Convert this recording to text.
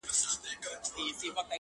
وجود غواړمه چي زغم د نسو راوړي،